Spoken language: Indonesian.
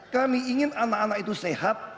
kami ingin anak anak itu sehat